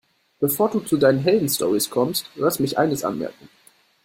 Bevor du zu deinen Heldenstorys kommst, lass mich eines anmerken.